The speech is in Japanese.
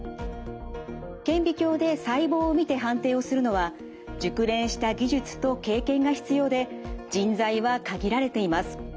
顕微鏡で細胞を見て判定をするのは熟練した技術と経験が必要で人材は限られています。